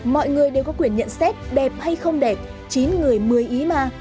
mọi người đều có quyền nhận xét đẹp hay không đẹp chín người một mươi ý ma